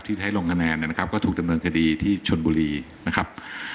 ที่ใช้ลงคะแนนนะครับก็ถูกดำเนินคดีที่ชนบุรีนะครับ